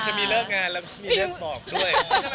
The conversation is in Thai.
คือมีเลิกงานแล้วมีเลิกบอกด้วย